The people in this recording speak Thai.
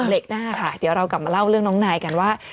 เหล็กหน้าค่ะเดี๋ยวเรากลับมาเล่าเรื่องน้องนายกันว่า